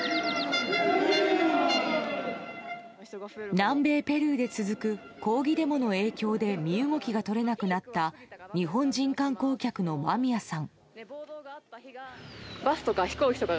南米ペルーで続く抗議デモの影響で身動きが取れなくなった日本人観光客のまみやさん。